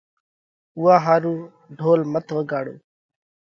اُوئا ۿارُو ڍول مت وڳاڙو۔